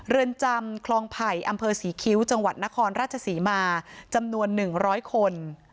เรือนจำคลองไผ่อำเภอศรีคิ้วจังหวัดนครราชศรีมาจำนวน๑๐๐คน